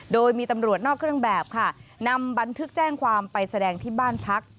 โดยมีตำรวจนอกเครื่องแบบค่ะนำบันทึกแจ้งความไปแสดงที่บ้านพัก